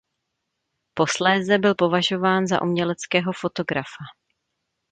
Posléze byl považován za uměleckého fotografa.